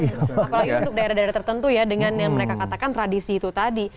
apalagi untuk daerah daerah tertentu ya dengan yang mereka katakan tradisi itu tadi